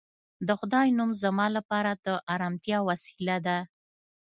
د خدای نوم زما لپاره د ارامتیا وسیله ده